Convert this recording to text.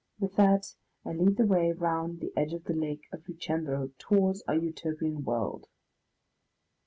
With that I lead the way round the edge of the Lake of Lucendro towards our Utopian world.